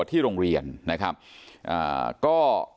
ที่โรงเรียนนะครับอ่าก็